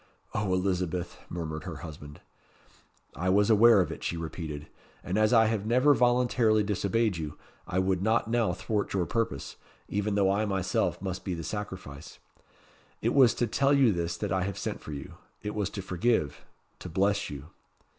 "O, Elizabeth!" murmured her husband. "I was aware of it," she repeated; "and as I have never voluntarily disobeyed you, I would not now thwart your purpose, even though I myself must be the sacrifice. It was to tell you this that I have sent for you. It was to forgive to bless you."